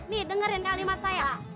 nih dengerin kalimat saya